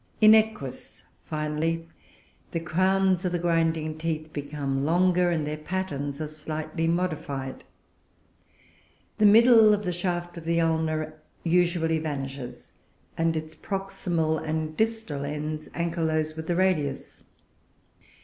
In Equus, finally, the crowns of the grinding teeth become longer, and their patterns are slightly modified; the middle of the shaft of the ulna usually vanishes, and its proximal and distal ends ankylose with the radius.